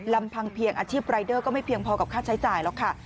ลำพังเพียงอาชีพรายเดอร์ก็ไม่เพียงพอกับค่าใช้จ่ายหรอกค่ะ